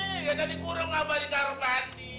gak jadi kurung apa dikarung kanti